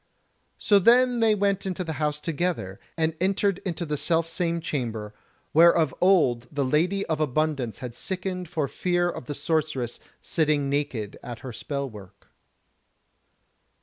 So then they went into the house together, and entered into the self same chamber, where of old the Lady of Abundance had sickened for fear of the Sorceress sitting naked at her spell work.